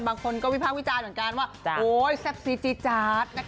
บางคนก็วิพากษ์วิจารณ์เหมือนกันว่าโอ๊ยแซ่บซีจี๊จาดนะคะ